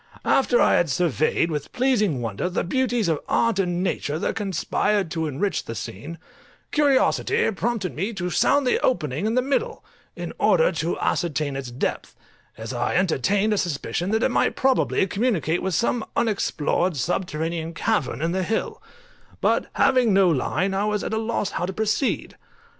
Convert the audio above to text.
After I had surveyed with pleasing wonder the beauties of art and nature that conspired to enrich the scene, curiosity prompted me to sound the opening in the middle, in order to ascertain its depth, as I entertained a suspicion that it might probably communicate with some unexplored subterranean cavern in the hill; but having no line I was at a loss how to proceed.